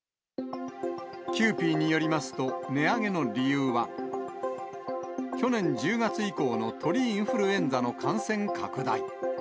キユーピーによりますと、値上げの理由は、去年１０月以降の鳥インフルエンザの感染拡大。